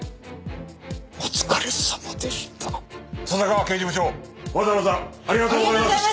笹川刑事部長わざわざありがとうございます！